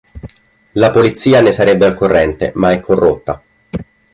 La polizia ne sarebbe al corrente ma è corrotta.